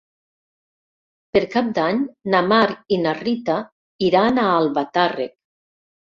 Per Cap d'Any na Mar i na Rita iran a Albatàrrec.